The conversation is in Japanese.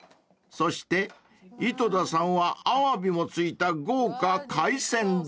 ［そして井戸田さんはアワビも付いた豪華海鮮丼］